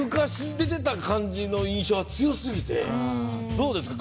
どうですか？